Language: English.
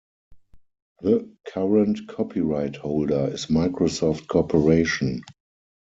The current copyright holder is Microsoft Corporation.